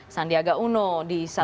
sandiaga uno di satu